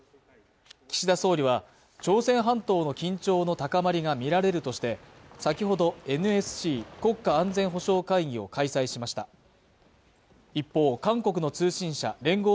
岸田総理は朝鮮半島の緊張の高まりが見られるとして先ほどＮＳＣ国家安全保障会議を開催しました一方韓国の通信社聯合